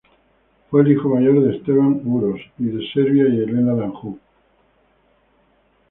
Fue el hijo mayor de Esteban Uroš I de Serbia y Helena de Anjou.